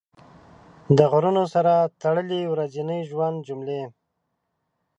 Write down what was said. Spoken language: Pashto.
د غرونو سره تړلې ورځني ژوند جملې